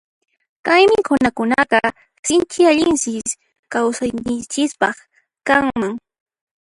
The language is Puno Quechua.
Kay mikhunakunaqa sinchi allinsi kawsayninchispaq kanman.